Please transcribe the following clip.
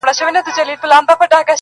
قريسي به ستا د غونډې زنې خال سي